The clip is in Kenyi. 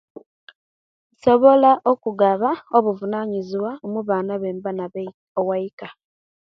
Nsobola okugaba obuvunanyizibwa omubaana ebemba nabo owaika